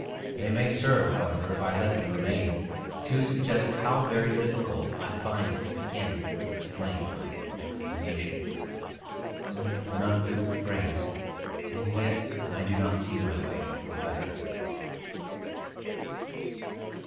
They may serve, however, if I let them remain, to suggest how very difficult I find it to begin to explain my explanation. An uncouth phrase: and yet I do not see my way to a better.